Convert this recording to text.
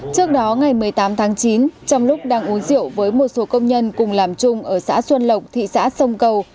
trước đó ngày một mươi tám tháng chín trong lúc đang uống rượu với một số công nhân cùng làm chung ở xã xuân lộc thị xã sông cầu